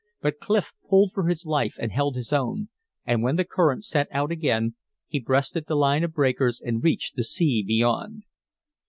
But Clif pulled for his life and held his own; and when the current set out again, he breasted the line of breakers and reached the sea beyond.